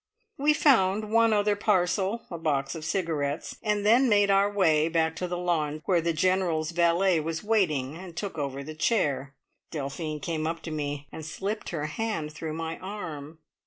We found one other parcel a box of cigarettes and then made our way back to the lawn, where the General's valet was waiting, and took over the chair. Delphine came up to me and slipped her hand through my arm.